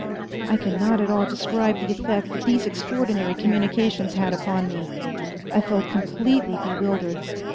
I can not at all describe the effect that these extraordinary communications had upon me. I felt completely bewildered.